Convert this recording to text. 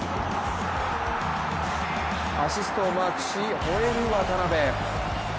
アシストをマークしほえる渡邊。